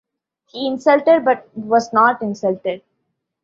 He insulted but was not insulted.